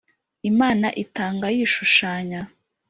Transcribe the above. Imana itanga yishushanya.